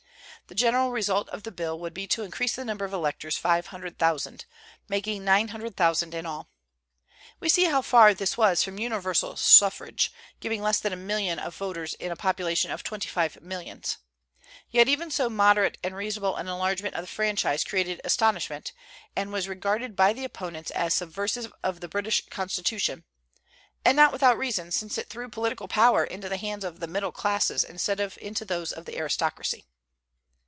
The general result of the bill would be to increase the number of electors five hundred thousand, making nine hundred thousand in all. We see how far this was from universal suffrage, giving less than a million of voters in a population of twenty five millions. Yet even so moderate and reasonable an enlargement of the franchise created astonishment, and was regarded by the opponents as subversive of the British Constitution; and not without reason, since it threw political power into the hands of the middle classes instead of into those of the aristocracy.